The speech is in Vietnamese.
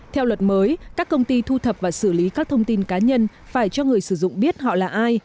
theo luật mới các công ty thu thập và xử lý các thông tin cá nhân phải cho người sử dụng biết họ là ai